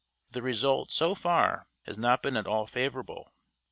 The result, so far, has not been at all favorable.